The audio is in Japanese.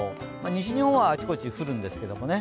西日本はあちこち降るんですけどもね。